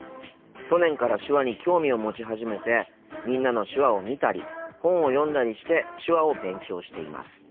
去年から手話に興味を持ち始めて『みんなの手話』を見たり本を読んだりして手話を勉強しています。